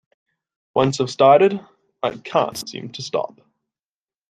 Once I've started, I can't seem to stop.